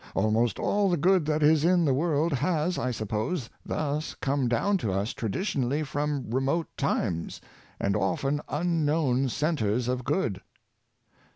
*^^^ Almost all the good that is in the world has, I suppose, thus come down to us traditionally from remote times, and often unknown centres of good."